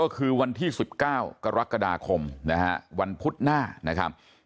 คือวันที่๑๙กรกฎาคมนะฮะวันพุธหน้านะครับ